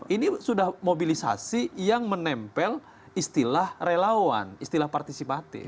ini sudah mobilisasi yang menempel istilah relawan istilah partisipatif